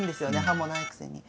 歯もないくせに。